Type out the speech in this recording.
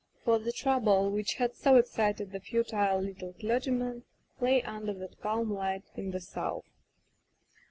For the trouble which had so excited the futile litde clergyman lay under that calm light in the south.